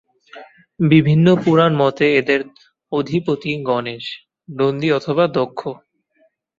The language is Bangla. বিভিন্ন পুরাণ মতে এদের অধিপতি গণেশ, নন্দী অথবা দক্ষ।